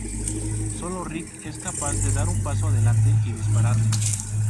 Solo Rick es capaz de dar un paso adelante y dispararle.